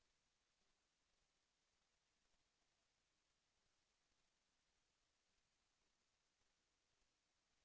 แสวได้ไงของเราก็เชียนนักอยู่ค่ะเป็นผู้ร่วมงานที่ดีมาก